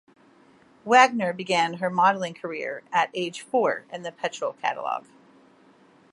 Wagner began her modelling career at age four in the Petrol catalog.